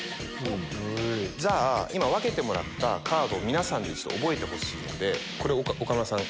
今分けてもらったカード皆さんで覚えてほしいので岡村さん